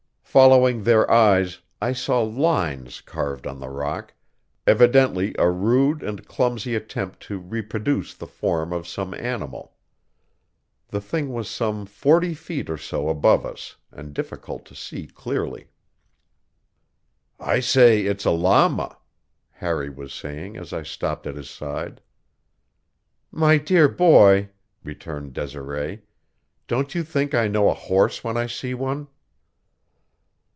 Following their eyes, I saw lines carved on the rock, evidently a rude and clumsy attempt to reproduce the form of some animal. The thing was some forty feet or so above us and difficult to see clearly. "I say it's a llama," Harry was saying as I stopped at his side. "My dear boy," returned Desiree, "don't you think I know a horse when I see one?"